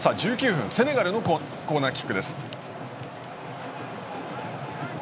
１９分セネガルのコーナーキック。